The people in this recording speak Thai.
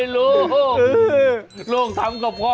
ลูกถามกับกรรม